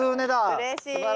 うれしい。